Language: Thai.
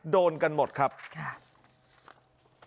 โดนกันหมดครับค่ะ